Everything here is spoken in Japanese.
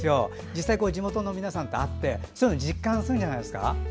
実際、地元の皆さんと会って実感するんじゃないですか？